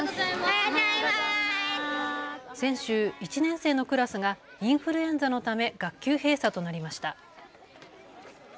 先週、１年生のクラスがインフルエンザのため学級閉鎖となりました。